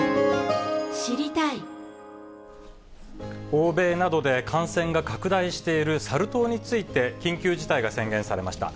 欧米などで感染が拡大しているサル痘について、緊急事態が宣言されました。